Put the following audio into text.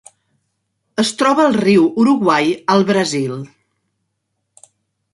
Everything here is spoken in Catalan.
Es troba al riu Uruguai al Brasil.